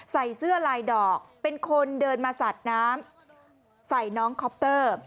ใส่เสื้อลายดอกเป็นคนเดินมาสาดน้ำใส่น้องคอปเตอร์